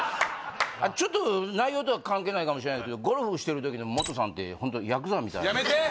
ちょっと内容とは関係ないかもしれないですけどゴルフしてる時のモトさんってホントやめて！